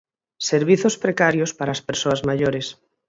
Servizos precarios para as persoas maiores.